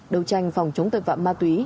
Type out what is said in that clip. đầu tranh phòng chống tội phạm ma túy